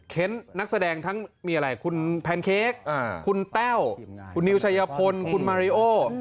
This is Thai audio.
นักแสดงทั้งมีอะไรคุณแพนเค้กคุณแต้วคุณนิวชัยพลคุณมาริโอ